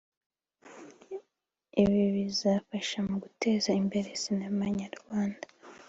ibi bikazafasha mu guteza imbere sinema nyarwanda